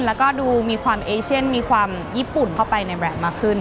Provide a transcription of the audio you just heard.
แล้วก็ดูมีความเอเชียนมีความญี่ปุ่นเข้าไปในแบบมากขึ้น